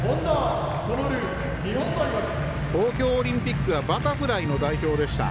東京オリンピックはバタフライの代表でした。